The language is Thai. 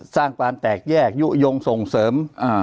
สร้างความแตกแยกยุโยงส่งเสริม